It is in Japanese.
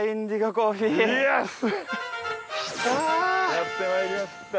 やってまいりました。